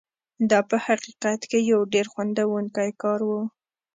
دا په حقیقت کې یو ډېر خندوونکی کار و.